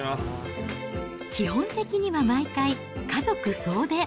基本的には毎回、家族総出。